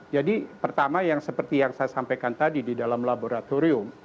jadi pertama yang seperti yang saya sampaikan tadi di dalam laboratorium